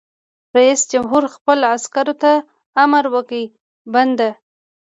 رئیس جمهور خپلو عسکرو ته امر وکړ؛ بند!